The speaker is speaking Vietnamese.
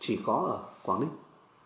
chỉ có ở quảng ninh